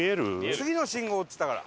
次の信号っつったから。